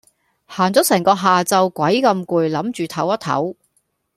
行咗成個下晝鬼咁攰諗住抖一抖